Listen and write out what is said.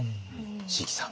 椎木さん